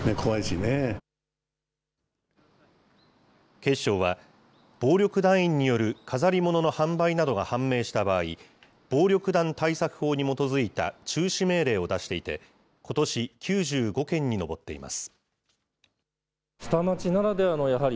警視庁は、暴力団員による飾り物の販売などが判明した場合、暴力団対策法に基づいた中止命令を出していて、ことし、９５件に上っています。